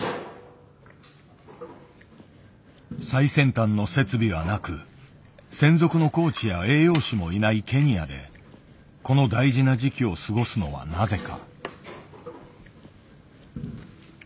最先端の設備はなく専属のコーチや栄養士もいないケニアでこの大事な時期を過ごすのはなぜか。